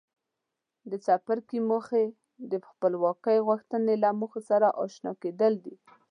د څپرکي موخې د خپلواکۍ غوښتنې له موخو سره آشنا کېدل دي.